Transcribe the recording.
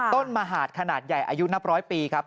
ต้นมหาดขนาดใหญ่อายุนับร้อยปีครับ